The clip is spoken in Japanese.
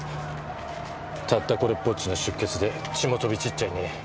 たったこれっぽっちの出血で血も飛び散っちゃいねえや。